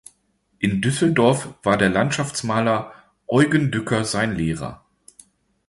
In Düsseldorf war der Landschaftsmaler Eugen Dücker sein Lehrer.